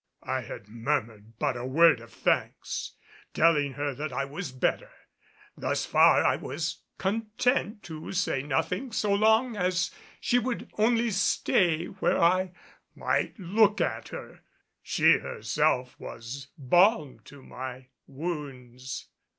I had murmured but a word of thanks telling her that I was better. Thus far I was content to say nothing so long as she would only stay where I might look at her. She, herself, was balm to my wounds.